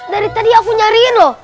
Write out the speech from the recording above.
dari tadi aku nyariin loh